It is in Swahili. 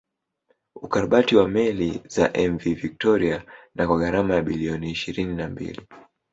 Ukarabati wa meli za Mv Victoria na kwa gharama ya bilioni ishirini na mbili